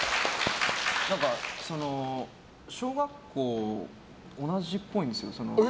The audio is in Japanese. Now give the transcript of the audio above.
小学校同じっぽいんですよ。